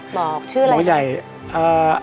หมอชื่ออะไรครับ